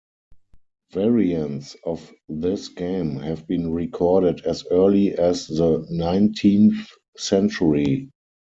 Variants of this game have been recorded as early as the nineteenth century.